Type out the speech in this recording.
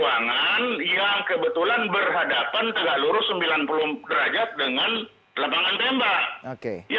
kalau beton sudah rontok tapi kaca